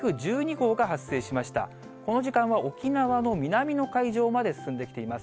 この時間は沖縄の南の海上まで進んできています。